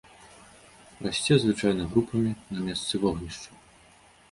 Расце звычайна групамі на месцы вогнішчаў.